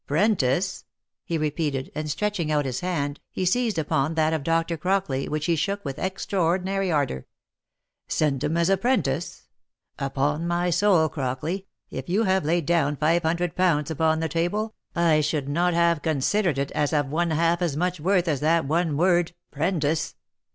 " Prentice ?" he repeated, and stretching out his hand, he seized upon that of Doctor Crockley, which he shook with extraordinary ardour. " Send him as a 'prentice ! Upon my soul, Crockley, if you had laid down five hundred pounds upon the table, I should not have considered it as of one half as much worth as that one word 'prentice.